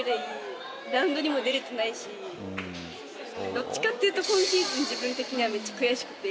どっちかというと今シーズン自分的にはめっちゃ悔しくて。